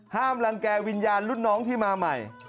รังแก่วิญญาณรุ่นน้องที่มาใหม่